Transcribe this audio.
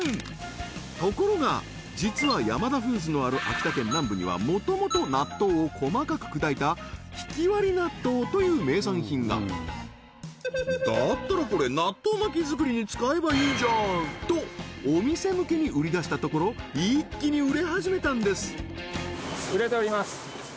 ところが実はヤマダフーズのある秋田県南部には元々納豆を細かく砕いたひきわり納豆という名産品がだったらこれ納豆巻き作りに使えばいいじゃん！とお店向けに売り出したところ一気に売れ始めたんです